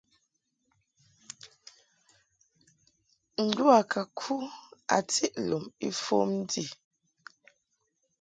Ndu a ka ku a tiʼ lum ifom ndi.